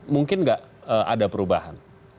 mungkin nggak ada perubahan